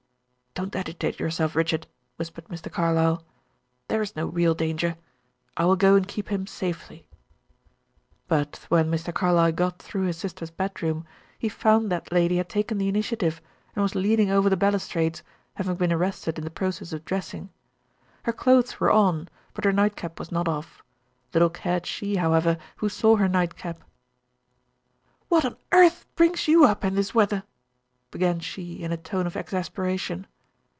"Don't agitate yourself, Richard," whispered Mr. Carlyle, "there is no real danger. I will go and keep him safely." But when Mr. Carlyle got through his sister's bedroom, he found that lady had taken the initiative, and was leaning over the balustrades, having been arrested in the process of dressing. Her clothes were on, but her nightcap was not off; little cared she, however, who saw her nightcap. "What on earth brings you up in this weather?" began she, in a tone of exasperation.